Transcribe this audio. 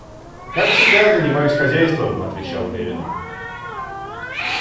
Как всегда, занимаюсь хозяйством, — отвечал Левин.